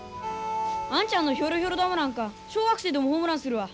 兄ちゃんのヒョロヒョロ球なんか小学生でもホームランするわ。